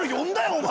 お前。